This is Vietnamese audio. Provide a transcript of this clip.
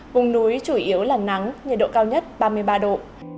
vùng núi chủ yếu là nắng nhiệt độ cao nhất ba mươi ba độ